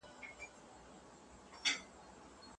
کورني سياستونه بايد خلکو ته د منلو وړ وي.